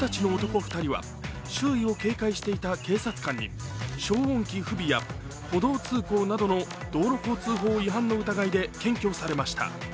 ２人は周囲を警戒していた警察官に消音器不備や歩道通行などの道路交通法違反の疑いで検挙されました。